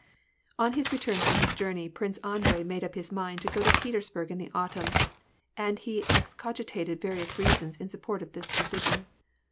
" On his return from his journey, Prince Andrei made up his mind to go to Petersburg in the autumn, and he excogitated various reasons in support of this decision.